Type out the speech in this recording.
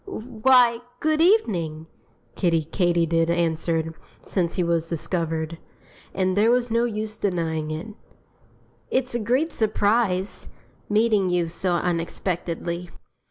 "Why, good evening!" Kiddie Katydid answered, since he was discovered and there was no use denying it. "It's a great surprise meeting you so unexpectedly.